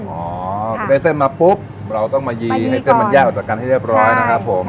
อ๋อพอได้เส้นมาปุ๊บเราต้องมายีให้เส้นมันแยกออกจากกันให้เรียบร้อยนะครับผม